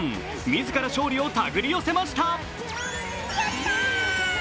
自ら勝利をたぐり寄せました。